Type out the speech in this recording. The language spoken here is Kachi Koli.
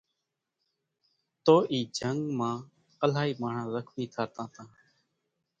تو اِي جنگ مان الائي ماڻۿان زخمي ٿاتان تان